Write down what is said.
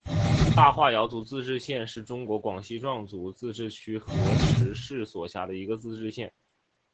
大化瑶族自治县是中国广西壮族自治区河池市所辖的一个自治县。